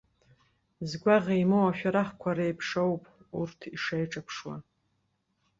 Згәаӷ еимоу ашәарахқәа реиԥш ауп урҭ шеиҿаԥшуа.